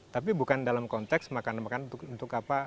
tapi bukan dalam konteks makanan makanan untuk apa